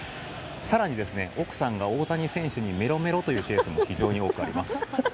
更に、奥さんが大谷選手にメロメロというケースも非常に多くあります。